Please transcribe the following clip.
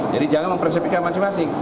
jadi jangan mempercayai masing masing